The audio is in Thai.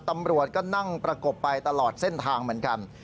ตำรวจก็นั่งประกบไปตลอดเส้นทางเหมือนกัน